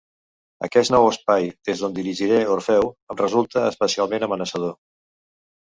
Aquest nou espai des d'on dirigiré Orfeu em resulta especialment amenaçador.